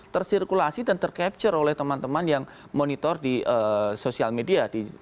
tersirkulasi dan tercapture oleh teman teman yang monitor di sosial media